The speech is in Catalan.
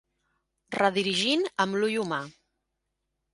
Redirigint amb l'ull humà.